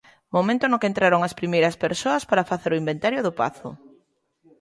Momento no que entraron as primeiras persoas para facer o inventario do pazo.